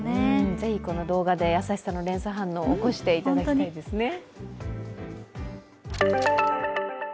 是非この動画で優しさの連鎖反応を起こしていただきたいですね。